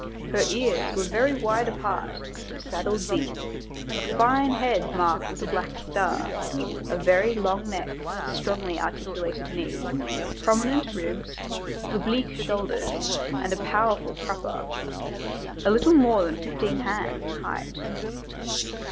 Her ears were very wide apart, her saddle deep, a fine head marked with a black star, a very long neck, strongly articulated knees, prominent ribs, oblique shoulders and a powerful crupper. A little more than fifteen hands in height."